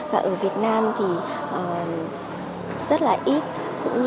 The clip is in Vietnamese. và ở việt nam thì rất là ít cũng như là rất là hiếm người yêu thích và đam mê bộ môn như chúng tôi